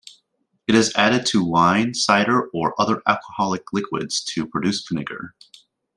It is added to wine, cider, or other alcoholic liquids to produce vinegar.